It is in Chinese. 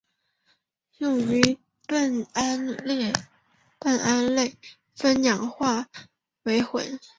用于将苯胺类和酚氧化为醌。